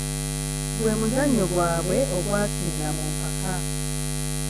Gwe muzannyo gwaabwe ogwasinga mu mpaka.